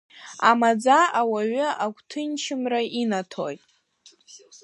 Амаӡа ауаҩы агәҭынчымра инаҭоит…